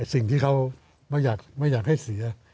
สิ่งที่เขาไม่อยากให้เสีย